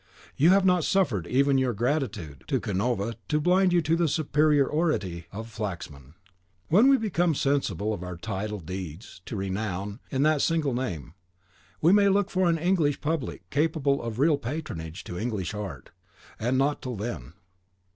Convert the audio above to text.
You have not suffered even your gratitude to Canova to blind you to the superiority of Flaxman. When we become sensible of our title deeds to renown in that single name, we may look for an English public capable of real patronage to English Art, and not till then.